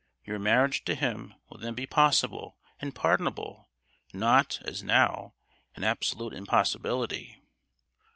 Your marriage to him will then be possible and pardonable, not, as now, an absolute impossibility!